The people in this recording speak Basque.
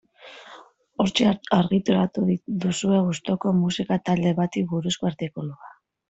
Hortxe argitaratu duzue gustuko musika talde bati buruzko artikulua.